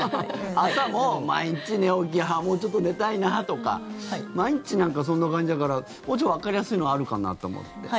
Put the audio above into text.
朝も毎日寝起きはもうちょっと寝たいなとか毎日そんな感じだからもうちょっとわかりやすいのはあるかなと思って。